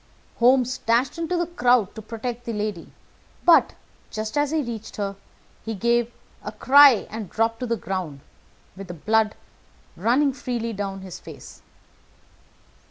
Holmes dashed into the crowd to protect the lady; but, just as he reached her, he gave a cry and dropped to the ground, with the blood running freely down his face.